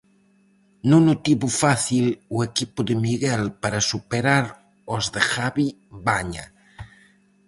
Non o tivo fácil o equipo de Miguel para superar aos de Javi Baña.